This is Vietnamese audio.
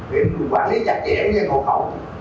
kiểm quản lý chặt chẽ gây khẩu khẩu